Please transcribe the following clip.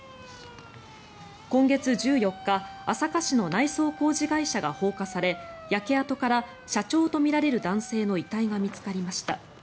今月１４日朝霞市の内装工事会社が放火され焼け跡から社長とみられる男性の遺体が見つかりました。